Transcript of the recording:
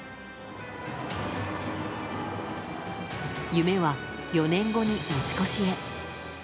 夢は４年後に持ち越しへ。